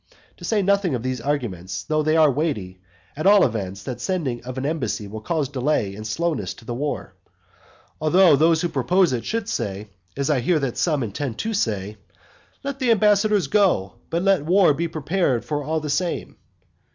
To say nothing of these arguments, though they are weighty, at all events that sending of an embassy will cause delay and slowness to the war. Although those who propose it should say, as I hear that some intend to say, "Let the ambassadors go, but let war be prepared for all the same."